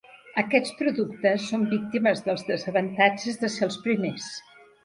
Aquests productes són víctimes dels desavantatges de ser els primers.